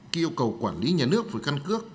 khi yêu cầu quản lý nhà nước về căn cước